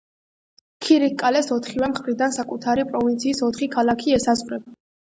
ქირიქკალეს ოთხივე მხრიდან საკუთარი პროვინციის ოთხი ქალაქი ესაზღვრება.